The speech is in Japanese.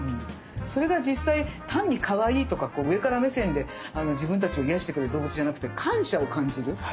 それが実際単にかわいいとか上から目線で自分たちを癒やしてくれる動物じゃなくて感謝を感じる。